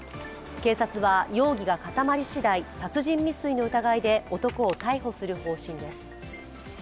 警察は容疑が固まり次第、殺人未遂の疑いで男を逮捕する方針です。